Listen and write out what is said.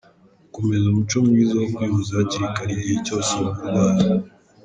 Gukomeza umuco mwiza wo kwivuza hakiri kare igihe cyose wumva urwaye.